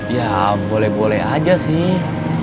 ya boleh boleh aja sih